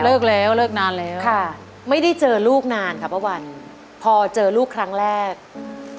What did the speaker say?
เลิกแล้วเลิกนานแล้วค่ะไม่ได้เจอลูกนานค่ะป้าวันพอเจอลูกครั้งแรกอืม